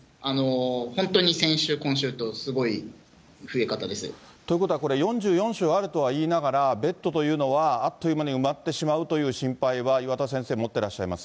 本当に先週、ということはこれ、４４床あるとはいいながら、ベッドというのはあっという間に埋まってしまうという心配は、岩田先生、持ってらっしゃいます？